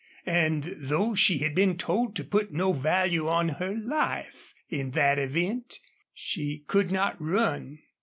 And though she had been told to put no value on her life, in that event, she could not run.